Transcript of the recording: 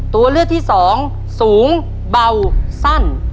ตัวเลือกที่สองสูงเบาสั้น